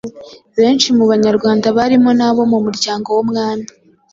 benshi mu banyarwanda barimo n’abo mu muryango w’umwami